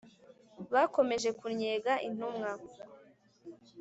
Bakomeje kunnyega intumwa